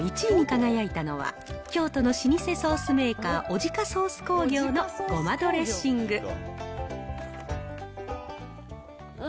１位に輝いたのは、京都の老舗ソースメーカー、オジカソース工業の胡麻ドレッシング。